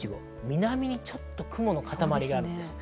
南にちょっと雲の塊があります。